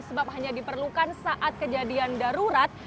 sebab hanya diperlukan saat kejadian darurat